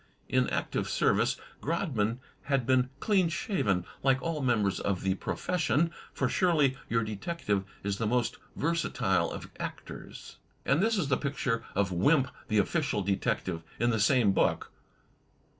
In active service Grodman l6o THE TECHNIQUE OF THE MYSTERY STORY had been clean shaven, like all members of the profession — ^for surely your detective is the most versatile of actors. And this is the picture of Wimp the official detective in the same book.